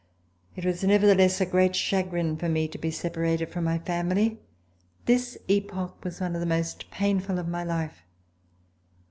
It was nevertheless a great chagrin for me to be separated from my family. This epoch was one of the most painful of my life.